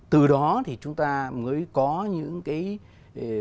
từ đó thì chúng ta mới có những cái